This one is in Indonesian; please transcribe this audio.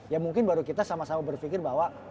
ya mungkin baru kita sama sama berfikir bahwa